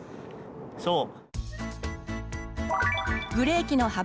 そう。